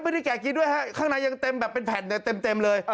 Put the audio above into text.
แกะกินด้วยฮะข้างในยังเต็มแบบเป็นแผ่นเต็มเลย